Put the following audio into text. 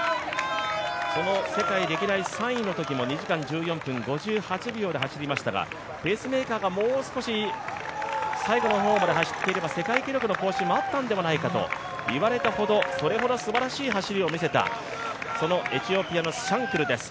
その世界歴代３位のときも２時間１４分５８秒で走りましたが、ペースメーカーがもう少し、最後の方まで走っていれば世界記録の更新もあったのではないかといわれたほど、それほどすばらしい走りを見せたそのエチオピアのシャンクルです。